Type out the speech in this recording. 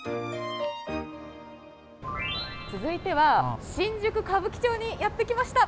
続いては新宿歌舞伎町にやってきました！